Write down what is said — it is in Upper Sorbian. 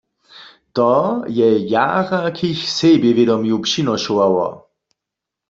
To je jara k jich sebjewědomju přinošowało.